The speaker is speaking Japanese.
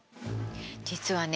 実はね